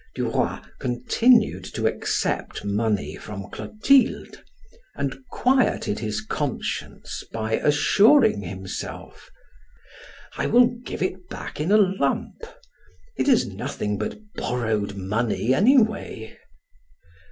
Duroy continued to accept money from Clotilde and quieted his conscience by assuring himself: "I will give it back in a lump. It is nothing but borrowed money anyway."